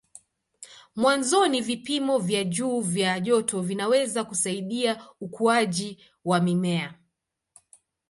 Mwanzoni vipimo vya juu vya joto vinaweza kusaidia ukuaji wa mimea.